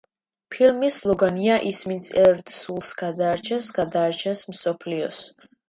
ფილმის სლოგანია: „ის ვინც ერთ სულს გადაარჩენს, გადაარჩენს მსოფლიოს“.